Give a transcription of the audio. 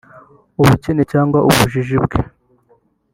ubukene cyangwa ubujiji bwe